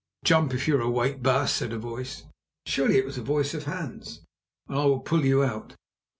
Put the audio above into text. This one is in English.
"Jump, if you are awake, baas," said a voice—surely it was the voice of Hans—"and I will pull you out."